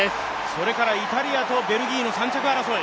それからイタリアとベルギーの３着争い。